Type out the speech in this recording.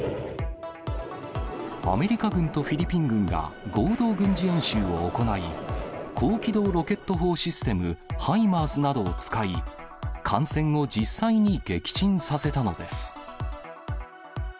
アメリカ軍とフィリピン軍が合同軍事演習を行い、高機動ロケット砲システム、ハイマースなどを使い、艦船を実際に撃沈させたのです。